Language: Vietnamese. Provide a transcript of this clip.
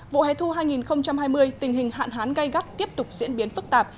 vụ hẻ thu hai nghìn hai mươi tình hình hạn hán gây gắt tiếp tục diễn biến phức tạp